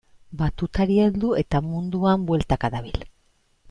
Batutari heldu eta munduan bueltaka dabil.